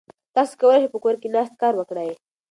تاسو کولای شئ په کور کې ناست کار وکړئ.